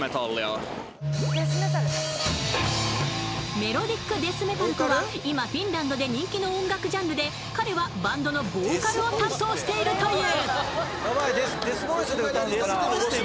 メロディックデスメタルとは今、フィンランドで人気の音楽ジャンルで彼はバンドのボーカルを担当しているという。